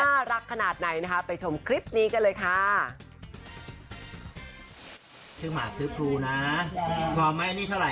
น่ารักขนาดไหนนะคะไปชมคลิปนี้กันเลยค่ะ